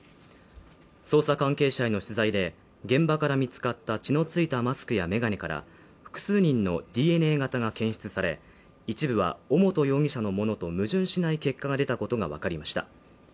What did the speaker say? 捜査関係者への取材で、現場から見つかった血のついたマスクや眼鏡から複数人のＤＮＡ型が検出され、一部は尾本容疑者のものと矛盾しない結果が出たことがわかりました。